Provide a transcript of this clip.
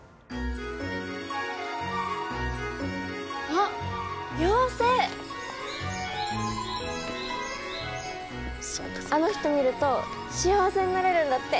あの人見ると幸せになれるんだって。